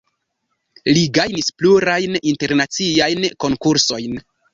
Li gajnis plurajn internaciajn konkursojn.